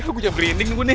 ya gue jauh berinding bu nih